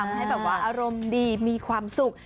ทำให้อารมณ์ดีมีความสุข